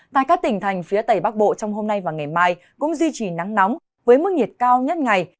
tại các tỉnh thành phía tây bắc bộ trong hôm nay và ngày mai cũng duy trì nắng nóng với mức nhiệt cao nhất ngày